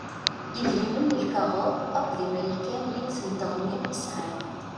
Idrimen n lkaɣeḍ akk di Marikan yiwet n teɣmi i sεan.